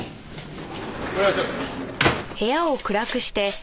お願いします。